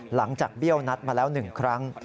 หลังจากเบี้ยวนัดมาแล้วหนึ่งครั้ง